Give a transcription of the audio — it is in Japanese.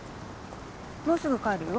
もうすぐ帰るよ。